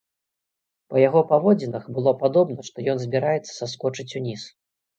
Па яго паводзінах было падобна, што ён збіраецца саскочыць уніз.